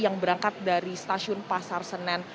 yang berangkat dari stasiun pasar senen